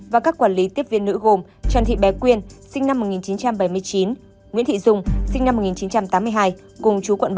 và các quản lý tiếp viên nữ gồm trần thị bé quyên sinh năm một nghìn chín trăm bảy mươi chín nguyễn thị dung sinh năm một nghìn chín trăm tám mươi hai cùng chú quận bảy